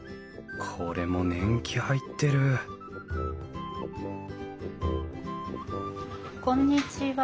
これも年季入ってるこんにちは。